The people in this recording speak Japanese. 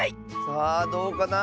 さあどうかな？